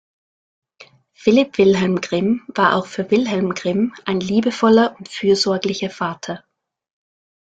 Philipp Wilhelm Grimm war auch für Wilhelm Grimm ein liebevoller und fürsorglicher Vater.